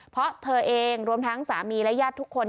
เพราะเธอเองรวมทั้งสามีและญาติทุกคน